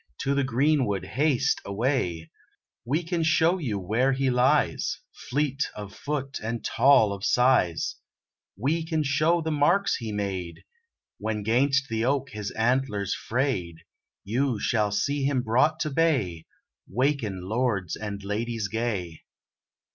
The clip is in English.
To the greenwood haste away; We can show you where he lies, Fleet of foot, and tall of size; We can show the marks he made, When 'gainst the oak his antlers fray'd; You shall see him brought to bay 'Waken, lords and ladies gay.'